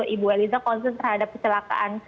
ibu iliza konsul terhadap kecelakaan